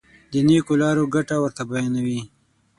د نېکو لارو ګټې ورته بیانوي.